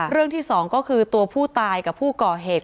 ที่สองก็คือตัวผู้ตายกับผู้ก่อเหตุ